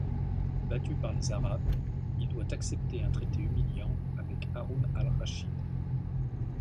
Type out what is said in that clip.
Battu par les Arabes, il doit accepter un traité humiliant avec Haroun al-Rachid.